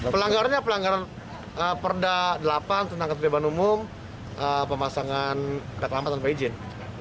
pelanggarannya pelanggaran perda delapan tentang ketertiban umum pemasangan reklamat tanpa izin